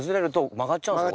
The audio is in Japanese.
曲がっちゃうんですよ